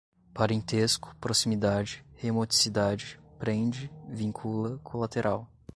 parentesco, proximidade, remoticidade, prende, vincula, colateral